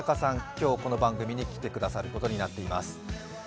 今日この番組に来てくださることになっています。